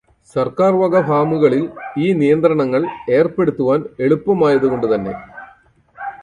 സര്ക്കാര് വക ഫാമുകളില് ഈ നിയന്ത്രണങ്ങള് ഏര്പ്പെടുത്തുവാന് എളുപ്പമായതു കൊണ്ടു തന്നെ